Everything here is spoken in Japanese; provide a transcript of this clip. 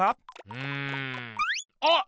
うん。あっ！